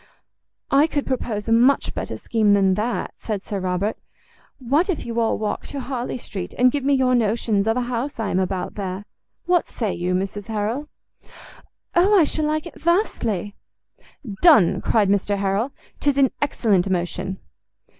"I could propose a much better scheme than that," said Sir Robert; "what if you all walk to Harley Street, and give me your notions of a house I am about there? what say you, Mrs Harrel?" "O, I shall like it vastly." "Done," cried Mr Harrel; "'tis an excellent motion."